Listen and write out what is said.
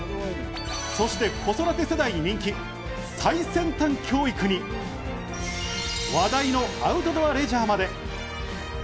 そして子育て世代に人気、最先端教育に、話題のアウトドアレジャーまで。